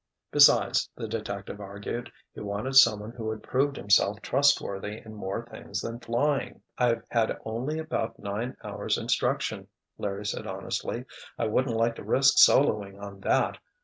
Besides, the detective argued, he wanted someone who had proved himself trustworthy in more things than flying. "I've had only about nine hours instruction," Larry said honestly. "I wouldn't like to risk soloing on that.